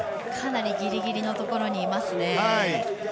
かなりギリギリのところにいますね。